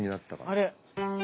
あれ？